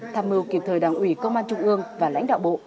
tham mưu kịp thời đảng ủy công an trung ương và lãnh đạo bộ